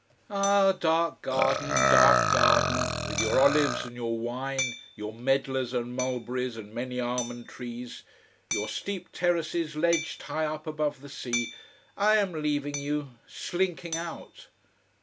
Ah, dark garden, dark garden, with your olives and your wine, your medlars and mulberries and many almond trees, your steep terraces ledged high up above the sea, I am leaving you, slinking out.